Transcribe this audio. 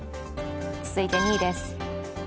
続いて２位です。